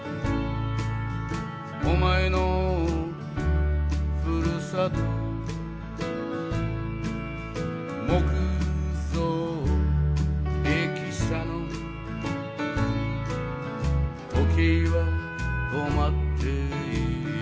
「お前の故郷」「木造駅舎の」「時計は止まっている」